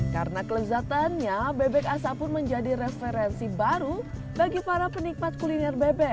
karena kelezatannya bebek asap pun menjadi referensi baru bagi para penikmat kuliner bebek